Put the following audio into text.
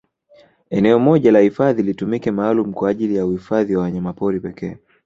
Eneo moja la hifadhi litumike maalumu kwa ajili ya uhifadhi wa wanyamapori pekee